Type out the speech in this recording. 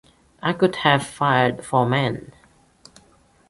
I could have fired four men!